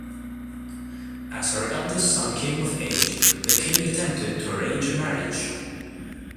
As her eldest son came of age, the king attempted to arrange a marriage.